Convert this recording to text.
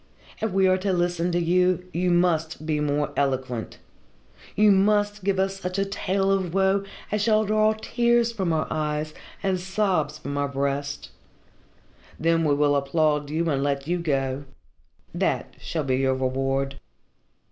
If we are to listen to you, you must be more eloquent. You must give us such a tale of woe as shall draw tears from our eyes and sobs from our breasts then we will applaud you and let you go. That shall be your reward."